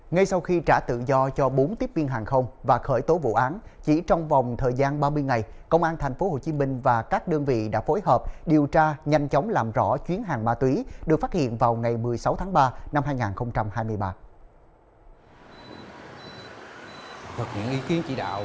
ngay sau khi trả tự do cho bốn tiếp viên hàng không và khởi tố vụ án chỉ trong vòng thời gian ba mươi ngày công an tp hcm và các đơn vị đã phối hợp điều tra nhanh chóng làm rõ chuyến hàng ma túy được phát hiện vào ngày một mươi sáu tháng ba năm hai nghìn hai mươi ba